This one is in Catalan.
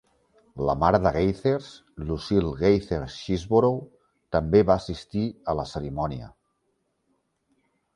La mare de Gathers, Lucille Gathers Cheeseboro, també va assistir a la cerimònia.